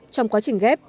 trong quá trình ghép